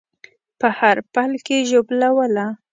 په هر پل کې ژوبلوله